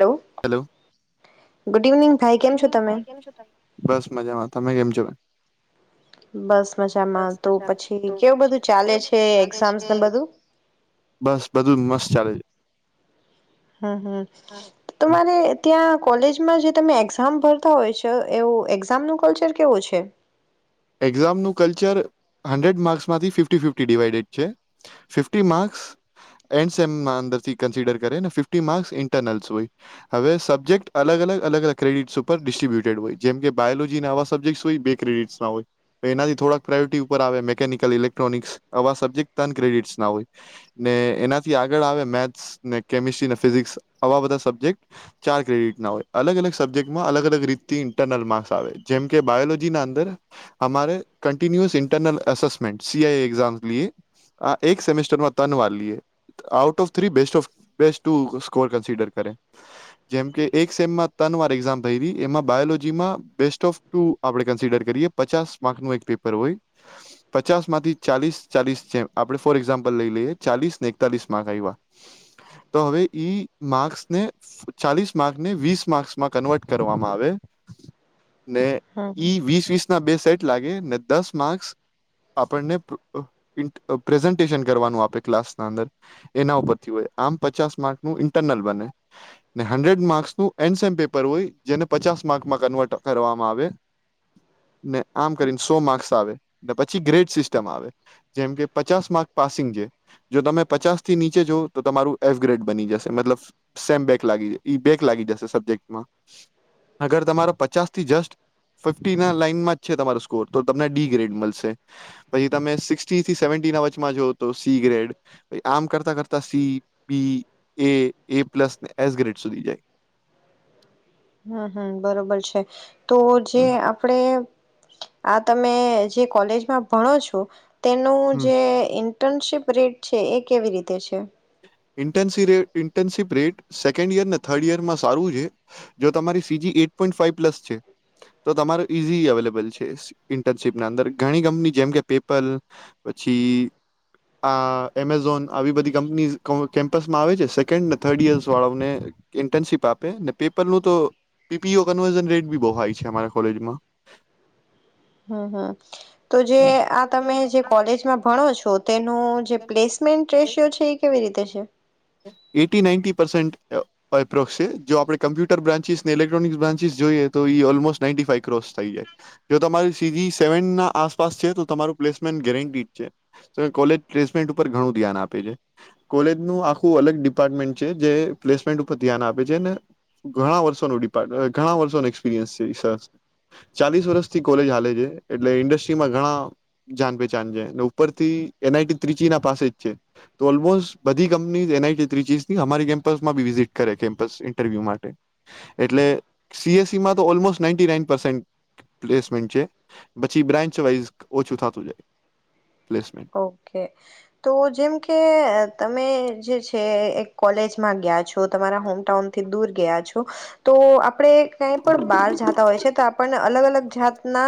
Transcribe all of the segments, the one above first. Hello hello, good evening ભાઈ કેમ છો તમે બસ મજામાં તમે કેમ છો? [unintelligible] બસ મજામાં તો પછી કેવું બધું ચાલે છે એક્ઝામ્સ ને બધું બસ બધું મસ્ત ચાલે છે. હમ હમ, છે. તમારે ત્યાં કોલેજમાં જે તમે એક્ઝામ ભરતા હોય છે એવું એક્ઝામ નું કલ્ચર કેવું છે? એક્ઝામનું કલ્ચર હન્ડ્રેડ માર્ક્સમાંથી ફિફી ફિફી ડિવાઈડેડ છે, ફિફી માર્ક્સ એન્ડ સેમ અંદરથી કન્સિડર કરે ને ફિફી માર્સ ઇન્ટરનલ્સ હોય, હવે સબ્જેક્ટ અલગ અલ અલગ અલગ ક્રેડિટ્સ ઉપર ડિસ્ટ્રીબ્યુટેડ હોય જેમકે બાયોલોજી ના આવા સબ્જેક્ટ હોય બે ક્રેડિટ્સ ના હોય. એનાથી થોડાક પ્રાયોરિટી ઉપર આવે મેિકનિકલ ઇલેક્ટ્રોનિક્સ આવા સબ્જેક્ટ ત્રણ ક્રેડિટ્સ ના હોય, ને એનાથી આગળ આવે મેથ્સ ને કેમિસ્ટ્રી ને ફિઝિક્સ આવા બધા સબ્જેક્ટ, ચાર ક્રેડિટ ના હોય અલગ અલગ સબ્જેક્ટમાં અલગ અલગ રીતથી ઇન્ટરનલ માર્ક્સ આવે જેમ કે બાયોલોજીના અંદર અમારે continuous internal assessment C I exam લઈએ, આ એક સેમેસ્ટરમાં તન વાર લઈએ આઉટ ઓફ થ્રી બેસ્ટફ બેસ્ટ ટુ સ્કોર કન્સિડર કરે, જેમકે એક સેમ મા તન વાર એઝામ ભયરી એમાં બાયોલોજીમાં બેસ્ટ ઓફ ટુ આપણે કન્સિડર કરીએ. પચાસ માર્ક નુ એક પેપર હોય, પચાસ માંથી ચાલીસ ચાલીસ જેમ આપણે ફોર એક્ઝામ્પલ લઈ લઈએ ચાલીસ ને એકતાલીસ માર્ક આવ્યા, તો હવે ઈ માર્સને ચાલીસ માર્કને વીસ માર્કમાં કન્વર્ટ કરવામાં આવે. ને હમ હમ ઈ વીસ વીસ ના બે સેટ લાગે ને દસ માકસ આપણને પીનટ અ પ્રેઝન્ટેશન કરવાનું આપે ક્લાસના અંદર, એના ઉપરથી હોય આમ પચાસ માર્કનું ઇન્ટરનલ બને હંડ્રેડ માક્સર્નું એનસેમ પેપર હોય, જેને પચાસ માર્કમાં કન્વર્ટ કરવામાં આવે. ને આમ કરીને સો માર્ક્સ આવે ને પછી ગ્રેડ સિસ્ટમ આવે, જેમ કે પચાસ માર્ક પાસિંગ છે જો તમે પચાસ થી નીચે જો તો તમારું એફ ગ્રેડ બની જશે મતલબ સેમ બેક લાગી ઈ બેક લાગી જશે, સબ્જેક્ટમાં અગર તમારો પચાસ થી જસ્ટ ફિફટુના લાઈનમાં. છે તમારો સ્કોર તો તમને ડી ગ્રેડ મળશે, પછી તમે સિક્સટી થી સેવનટી ના વચમાં જો તો સી ગ્રેડ, આમ કરતા કરતા C B A A plus S grade સુધી જાય. હમ હમ બરોબર છે.. તો જે હમ આપડે આ તમે જે કોલેજમાં ભણો છો. તેનું હમ જે ઇન ઈટર્નશીપ રેટ છે એ કેવી રીતે છે? ઇન્ટર્નશી રે ઇ ઇન્ટર્નશીપ રેટ સેકન્ડ યર ને થર્ડ યરમાં સારું છે, જો તમારી CG eight point five plus છે, તો તમારો ઈઝીલી અવેલેબલ છે ઇન્ટર્નશીપના અંદર ઘણી કંપની જેમ કે પેપલ પછી, આ એમેઝોન આવી બધી કંપનીઝ ક કેમ્પસમાં આવે સેકન્ડ ને થર્ડ યર્સ વાળા ઓને, ઇન્ટર્નશીપ આપે ને પેપરનુ તો, P P U conversion rate બી હાઈ છે અમારે કોલેજમા. હમ હમ તો જે આ તમે જે કોલેજમાં ભણો છો. તેનો જે પ્લેસમેન્ટ રેશિયો છે એ કેવી રીતે છે? એટી નાઇન્ટી પસેન્ટ અ એપ્રોક્ષ છે જો આપણે કમ્પ્યુટર બ્રાન્ચિસ ને ઇલેક્ટ્રોનિકસ બ્રાન્ચીસ જોઈએ તો ઈ ઓલમોસ્ટ નાઈન્ટી ફાઇ ક્રોસ થઈ જાય, જો તમારી સી જીી સેવનના આસપાસ છે તો તમારું પ્લેસમેન્ટ ગેરેટી જ છે, ત કોલેજ પ્લેસમેન્ટ ઉપર ઘણું ધ્યાન આપે છે, કોલેજનું આખું અલગ ડિપાર્ટમેન્ટ છે જે પ્લેસમેન્ટ ઉપર ધ્યાન આપે છે ને, ઘણા વર્ષોનું ડિપાર્ટ ઘણા વર્ષોનું એક્સપિરયન્સ છે, સર ચાલીસ વર્ષથી કોલેજ હાલે છે, એટલે ઇન્ડસ્ટ્રીમાં ઘણા જાન પહેચાન છે, ને ઉપરથી એન આઈ ટી ત્રીચિના પાસે જ છે તો ઓલમોસ્ટ બધી કંપની જ એનઆઈટી ત્રિચીસની અમારી કેમ્પસમાં બી વિઝિટ કરે કેમ્પ ઇન્ટરવ્યુ માટે એટલે સી એસ સીમાં તો almost ninety nine percent placement છે, પછી બ્રાન્ચ વાઈઝ ઓછું થતું જાય. Placement okay. તો જેમ કે તમે જે છે એ એક કોલેજમાં ગયા છો તમારા હોમટાઉનથી દૂર ગયા છો. તો, તો આપ આપણે કંઈ પણ બહાર જાતા હોય છે તો આપણને અલગ અલગ જાતના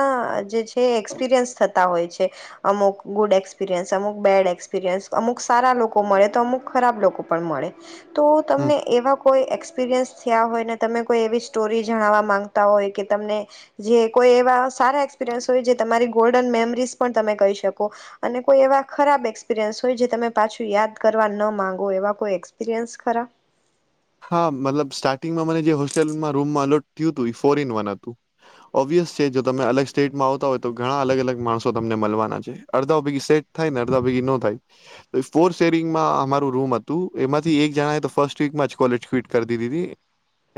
જે છે એકસ પિરિયન્સ થતા હોય છે, અમુક ગુડ એકસ એક્સપિરિયન્સ અમુક બેડ એક્સપિરિયન્સ અમુક સારા લોકો મળે તો અમુક ખરાબ લોકો પણ મળે. તો હમ તમને એવા કોઈ એક્સપિરિયન્સ થયા હોય ને તમે કોઈ એવી સ્ટોરી જણાવવા માંગતા હોય કે તમને, જે કોઈ એવા સારા એક્સપિરયન્સ હોય, જે તમારી ગોલ્ડન મેમરીઝ પણ તમે કહી શકો. અને કોઈ એવા ખરાબ એક્સપિરિયન્સ હોય જે તમે પાછું યાદ કરવા ન માંગો એવા કોઈ એક્સપિરિયન્સ ખરા? હા મતલબ સ્ટાર્ટિંગમાં મને જે હોસ્ટેલમાં રૂમમાં અલોટ થયું હતું એ ફોર ઇન વન હતું. ઓબ્વિયસ છે જો તમે અલગ સ્ટેટમાં આવતા હોય તો ઘણા અલગ અલગ માણસો તમને મળવાના છે. અડધા ભેગી સેટ થાયને અડધા ભેગી ન થાય તો ફોર સેરિંગમાં અમારું રૂમ હતું એમાંથી એક જણાએ તો ફર્સ્ટ વીકમાં જ કોલેજ ફિટ કરી દીધી હતી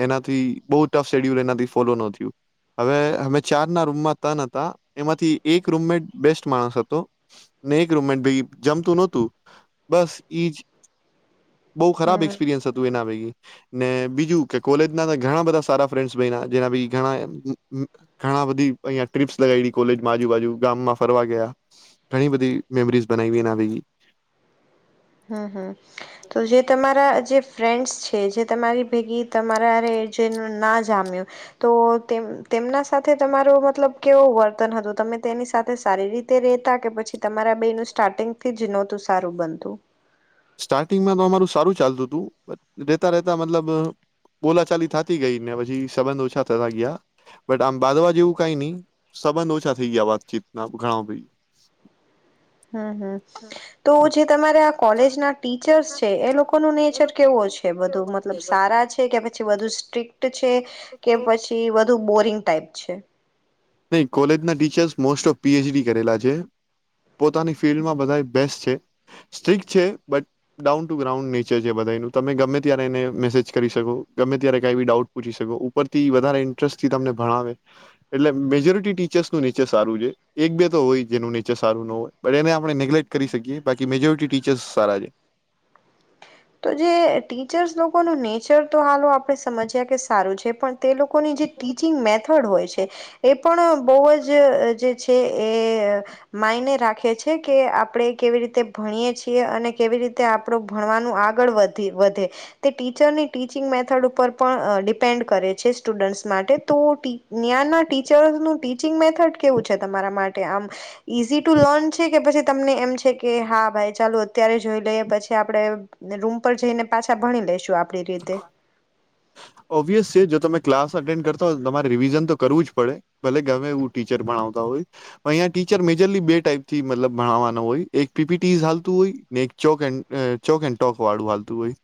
એનાથી બહ ટફ શેડયુલ એનાથી ફોલો ન થયું. હવે અમે ચારના રૂમમાં તન હતા એમાંથી એક રૂમમેટ બેસ્ટ માણસ હતો ને એક રૂમમેટ ભેગી જમતું નોતું બસ ઈજ બોવ ખરાબ હમ એકસપિરયસ હત. હતું એના ભેગી બીજું કે કોલેજના તો ઘણા બધા સારા ફ્રેનડસ બયના જેના બી ઘણા ઘણા બધી અયા ટીપ્સ લગાયડી કોલેજમાં આજુબાજુ ગામમાં ફરવા ગયા ઘણી બધી મેમરીઝ બનાવી એના બી હ હ તો જે તમારા જે ફ્રેન્ડસ છે જે તમારી ભેગી તમારા રે છે ના જામ્યું તો તેમ તેમના સાથે તમારો મતલબ કેવો વર્તન હતું. તમે તેની સાથે સારી રીતે રેતા કે પછી તમારા બેનું સ્ટાર્ટિંગથી જ નહોતું સારું બનતું. સ્ટાર્ટિંગમાં તો અમારું સારું ચાલતું હતું. રેતા રેતા મતલબ બોલાચાલી થાતી ગઈને પછી સંબંધ ઓછા થતા ગયા બટ આમ બાજવા જેવું કઈ ની સંબંધ ઓછા થઈ ગયા વાતચીતના ઘણાઓ ભેગી. હ હ તો જે તમારે આ કોલેજના ટીચર્સ છે એ લોકોનુ નેચર કેવો છે બધું મતલબ સારા છે કે પછી બધુ સ્ટ્રિક્ટ છે કે પછી વધ બધુ બોરિંગ ટાઈપ છે. નહી કોલેજના ટીચર્સ મોસ્ટ ઓફ પીએચડી કરેલા છે પોતાની ફિલ્ડમાં બધાએ બેસ્ટ છે સ્ટ્રીક છે but down to ground nature છે બધા એનું તમે ગમે ત્યારે એને મેસેજ કરી શકો ગમે ત્યારે કઈ બી ડાઉટ પૂછી શકો ઉપરથી વધારે ઇન્ટરેસ્ટથી તમને ભણાવે એટલે મેજોરિટી ટીચર્સનું નેચર સારું છે. એક બે તો હોય જેનું નેચર સારું ન હોય બટ એને આપણે નેગ્લેક્ટ કરી શકીએ બાકી મેજોરિટી ટીચર્સ સારા છે. તો જે ટીચર્સ લોકોનું નેચર તો હાલો આપણે સમજ્યા કે સારું છે પણ તે લોકોની જે ટીચિંગ મેથડ હોય છે એ પણ બહુવજ જે છે એ માયને રાખે છે કે આપણે કેવી રીતે ભણીએ છીએ અને કેવી રીતે આપડું ભણવાનું આગળ વધે તે ટીચરની ટીચિંગ મેથડ ઉપર પણ ડિપેન્ડ કરે છે સ્ટુડન્ટ્સ માટે તો ટ ન્યાના ટીચરનું ર્ટીચિંગ મેથડ કેવું છે તમારા માટે? માટે માટે આમ ઈઝી ટુ લર્ન છે કે પછી તમને એમ છે કે હા ભાઈ ચાલુ અત્યારે જોઈ લઈએ પછી આપડણે ને રૂમ પર જઈ ને પાછા ભણી લઈેશું આપ આપણી રીતે ઓબ્વિયસ છે જો તમે ક્લાસ અટેન્ડ કરતા હોય તમારે રિવિઝન તો કરવું જ પડે ભલે ગમે એવું ટીચર ભણાવતા હોય પણ અહીંયા ટીચર મેજરલી બે ટાઈપથી મલ ભણાવવાનો હોય એક પીપીટી હાલતું હોય ને એક ચોક ચોક એડ ટોક વાળું હાલતું હોય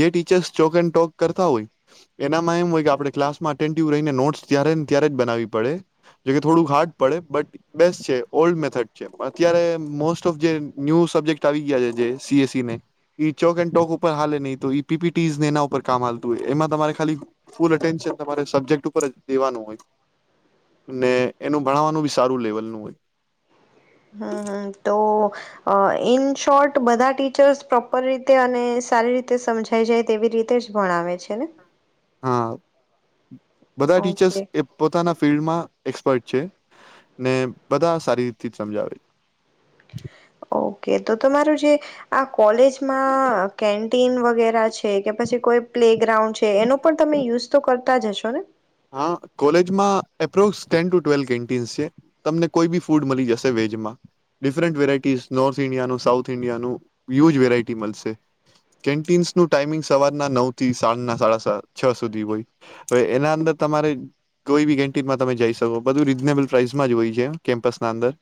જે ટીચર્ ચોક એડ ટોક કરતા હોય એનામાં એમ હોય કે આપણે ક્લાસમાં અટેિવ રહીને નોટ્સ ત્યારેને ત્યારે જ બનાવવી પડે જો કે થોડું હાર્ડ પડે બટ બેસ્ટ છે ઓલ્ડ મેથડ છે અત્યારે મોસ્ટ ઓફ જે ન્યુ સબ્જેક્ટ આવી ગયા છે જે સીએસસી ને ચોક એન્ડ ટોક ઉપર હાલે નહીં તો પીપીટીસ એના ઉપર કામ હાલતું હોય એમાં તમા ખાલી ફૂલ અટેન્શન તમારે સબ્જેક્ટ ઉપર જ દેવાનું હોય એનું ભણાવવાનું બી સારું લેવલનું હોય. હમ હમ તો અ ન શોર્ટ બધા ટીચર્સ પ્રોપર રીત અને સારી રીતે સમજ થઈ જાય તેવી રીતે જ ભણાવે છે ને? હા. બધા ટીચર્સ ઓકે એ પોતાના ફિલ્ડમાં એક્સપર્ટ છે ને બધા સારી રીતે જ સમજાવે છે. ઓકે તો તમારું જે આ કોલેજમાં કેન્ટીન વગેરે છે કે પછી કોઈ પ્લે ગ્રાઉન્ડ છે એનો પણ તમે યુઝ તો કરતા જ હશો [unintelligible] હા કોલેજમાં approx ten to twelve canteens છે. તમને કોઈ બી ફૂડ મળી જશે વેજમાં ડિફરન્ટ વેરાઈટીસ નોર્થ ઈન્ડિયાનું સાઉથ ઈન્ડિયાનું હ્યુજ વેરાયટી મળશે. કેન્ટીન્સનું ટાઈમિંગ સવારના નવ થી સાંજના સાડા સા છ સુધી હોય. હવે એના અંદર તમારે કોઈ બી કેન્ટિનમાં તમે જઈ શકો. બધું રીઝનેબલ પ્રાઇસમાં જ હોય છે કેમ્પસના અંદર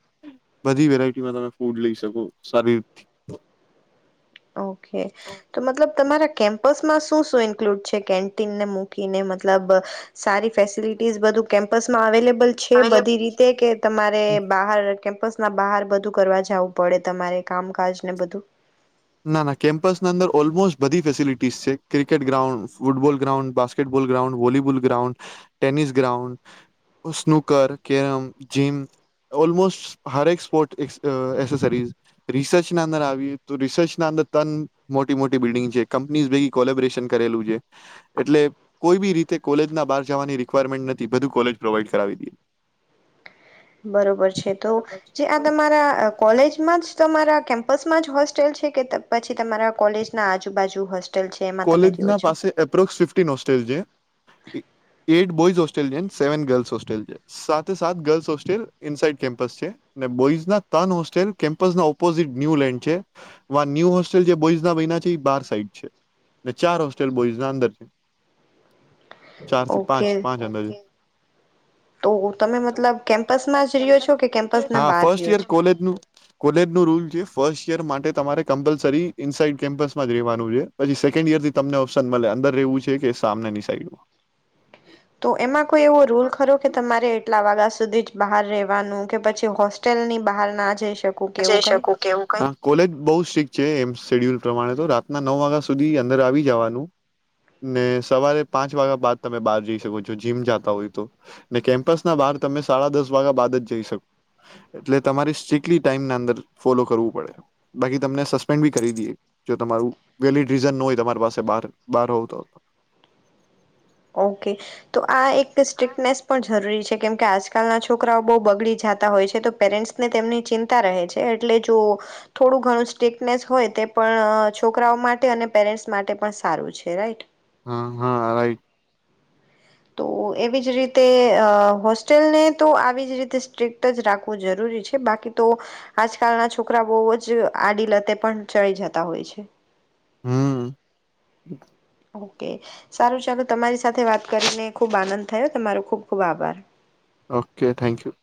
બધી વેરાયટીમાં તમે ફૂડ લઈ શકો સારી રી ઓકે તો મતલબ તમારા કેમ્પસમાં શું શું ઇન્ક્લુડ છે કેન્ટીનને મૂકીને મતલબ સારી ફેસિલિટીઝ બધું કેમ્પસમાં અવેલેબ છે બધી રીતે કે તમારે બહાર કેમ્પસ બહાર બધું કરવા જવું પડે તમારે કામકાજ ને બધું ના ના કેમ્પસના અંદર ઓલમોસ્ટ બધી ફેસિલિટીસ છે cricket ground football ground basketball ground volleyball ground tennis ground snooker carrom gym almost હરેક સ્પોર્ટ એસેસરીઝ રિસર્ચના અંદર આવી તો રિસર્ ત મોટી મોટી બિલ્ડંગ છે કંપની ભેગ કોલેબોરેશન કરેલું છે એટલે કોઈ બી રીતે કોલેજ ના બહાર જવાની રિક્વાયરમેન્ટ નથી બધું કોલેજ પ્રોવાઈડ કરાવી દ બરોબર છે તો જે આ તમારા કોલેજમાં જ તમારા કેમ બસમાં જ હોસ્ટેલ છે કે પછી તમારા કોલેજ ના આજુબાજુ હોસ્ટેલ છે એમાં તમે કોલેજ રહ્યો ના છો પાસે એપ્રોક્સ ફિફ્ટીન હોસ્ટેલ છે એટ બોઝ હો હોલ સેવ ગ હોલ છે સાથે ગર્લ્સ હોેલ ઇ સાડ કેમ્પ છે બોઝન હોલમ્પ ઓોઝટ ન્યુ લન્ડ છે ન્યુ હોસ્ટલ જે બોઝ છે બાર સાડ છે અને ચાર હોસ્ટેલ બોઈઝના અંદર છે ચારથી પાંચ ઓકે પાંચ અંદજ તો તમે મતલબ કેમ્પસમાં જ રહ્યો છો કે કેમ્પસના બહાર રહ્યો છો કો કોલે રૂલ છે ર માટે તમારે કમ્પલસરી ઇનસાઇડ કેમ્પસમાં જ રહેવાનું છે પછી સેકન્ડ ઈયર થી તમને ઓપ્શન મળે અંદર રહેવું છે કે સામનની સાઈડમાં તો એમાં કોઈ એવો રૂલ ખરો કે તમારે એટલા વાગા સુધી જ બહાર રહેવાનું કે પછી હોસ્ટેલની બહાર ના જઈ શકું કે જઈ એવું કંઈ શક કેવું ક કોલેજ બ છે એમ શેડ્યુલ પ્રમાણે તો રાતના નવ વાગ્યા સુધી અંદર આવી જવાનું ને સવારે પાંચ વાગ્યા બાદ તમે બહાર જઈ શકો છો જીમ જતા હોય તો ને કેમ્પસ ના બહાર તમે સાડા દસ વાગ્યા બાદ જ જઈ શકો એટલે તમારી સ્ટલી ટાઈમ અંદર ફોલો કરવું પડે બાકી તમને સસ્પેન્ડ બી કરી દઈએ જો તમારું વેલીિડ રીઝન ન હોય તમારી પાસે બાર બહાર હો તો હો ઓકે તો આ એક એક સ્ટ્રીકનેસ પણ જરૂરી છે કેમકે આજકાલના છોકરાઓ બહુ બગડી જતા હોય છે તો પેરેન્ટ્સને તેમની ચિંતા રહે છે એટલે જો થોડું ઘણું સ્ટ્રકનેસ હોય તે પણ છોકરાઓ માટે અને પેરેન્ટ્સ માટે પણ સારું છે રાઈટ હા હા રાઈટ તો એવી જ રીતે અ હોસ્ટેલને તો આવી જ રીતે સ્ટ્રક્ટ જ રાખવું જરૂરી છે બાકી તો આજકાલના છોકરા બહુ જ આડી લતે પણ ચડી જતા હોય છે હમ ઓકે સારું ચાલ તમારી સાથે વાત કરીને ખુબ આનંદ થયો તમારો ખુબ ખુબ આભાર ઓકે થેન્ક યુ